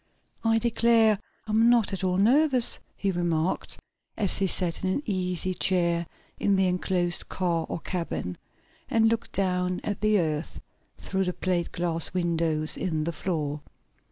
"I declare I'm not at all nervous," he remarked, as he sat in an easy chair in the enclosed car or cabin, and looked down at the earth through the plate glass windows in the floor.